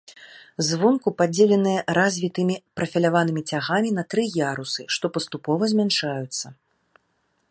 Звонку падзеленая развітымі прафіляванымі цягамі на тры ярусы, што паступова змяншаюцца.